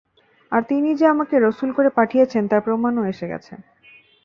আর তিনি যে আমাকে রসূল করে পাঠিয়েছেন তার প্রমাণও এসে গেছে।